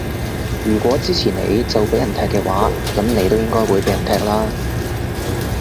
如果支持你就畀人踢嘅話，噉你都應該會畀人踢啦